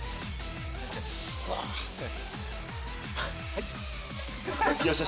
はい？